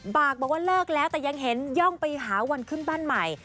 บากบอกว่าเลิกแล้วแต่ยังเห็นย่องไปหาวันขึ้นบ้านใหม่